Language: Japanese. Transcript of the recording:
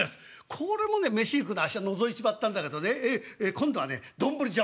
これもね飯行くの私はのぞいちまったんだけどね今度はね丼茶わんですよ。